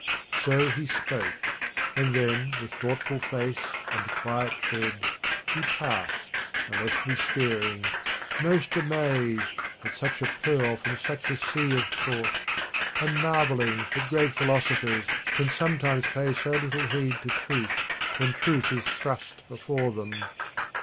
So he spoke, And then with thoughtful face and quiet tread He past and left me staring, most amazed At such a pearl from such a sea of thought, And marvelling that great philosophers Can sometimes pay so little heed to truth When truth is thrust before them.